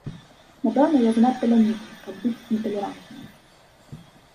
Напэўна, я занадта лянівы, каб быць неталерантным.